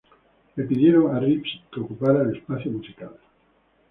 Le pidieron a Reeves que ocupara el espacio musical.